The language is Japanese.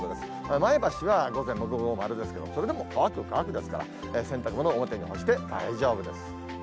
前橋は午前も午後も丸ですけれども、それでも乾く、乾くですから、洗濯物、表に干して大丈夫です。